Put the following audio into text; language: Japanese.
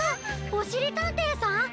おしりたんていさん！